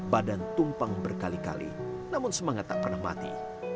badan tumpang berkali kali namun semangat tak pernah mati